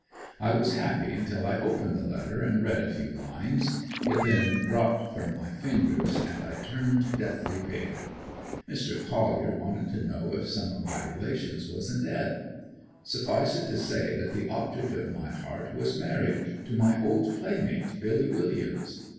I was happy until I opened the letter and read a few lines. It then dropped from my fingers and I turned deathly pale. Mr. Collier wanted to know if some of my relations wasn't dead? Suffice it to say that the object of my heart was married to my old playmate Billy Williams.